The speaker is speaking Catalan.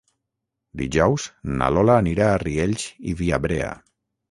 Dijous na Lola anirà a Riells i Viabrea.